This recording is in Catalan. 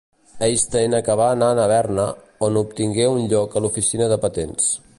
Einstein acabà anant a Berna, on obtingué un lloc a l'oficina de patents.